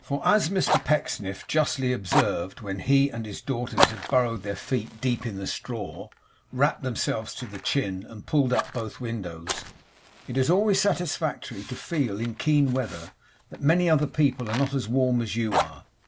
For as Mr Pecksniff justly observed when he and his daughters had burrowed their feet deep in the straw, wrapped themselves to the chin, and pulled up both windows it is always satisfactory to feel, in keen weather, that many other people are not as warm as you are.